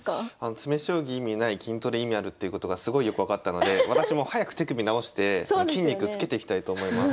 詰将棋意味ない筋トレ意味あるっていうことがすごいよく分かったので私も早く手首治して筋肉つけていきたいと思います。